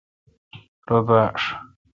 رو باݭ